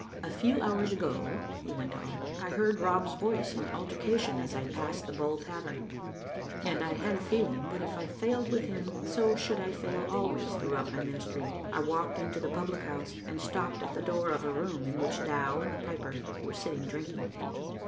A few hours ago," he went on, " I heard Rob's voice in altercation as I passed the Bull tavern, and I had a feeling that if I failed with him so should I fail always throughout my ministry. I walked into the public house, and stopped at the door of a room in which Dow and the piper were sitting drinking.